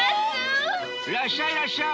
らっしゃいらっしゃい！